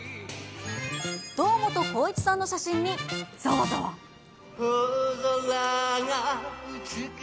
堂本光一さんの写真に、ざわざわ。